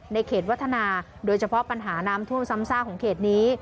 เขตวัฒนาโดยเฉพาะปัญหาน้ำท่วมซ้ำซากของเขตนี้